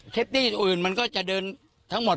ตี้อื่นมันก็จะเดินทั้งหมด